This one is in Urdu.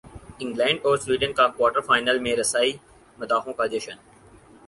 انگلینڈ اور سویڈن کی کوارٹر فائنل میں رسائی مداحوں کا جشن